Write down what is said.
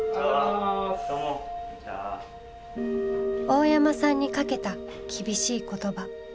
大山さんにかけた厳しい言葉。